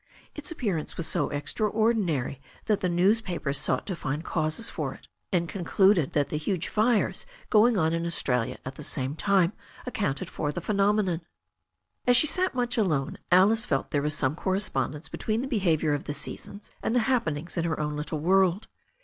Its appearance was so extra ordinary that the newspapers sought to find causes for it, and concluded that the huge fires going on in Australia at the same time accounted for the phenomenon. As she sat much alone Alice felt there was some cor respondence between the behaviour of the seasons and the happenings in her own little world.